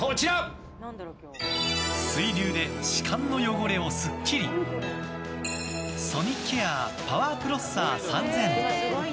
水流で歯間の汚れをすっきりソニッケアーパワーフロッサー３０００。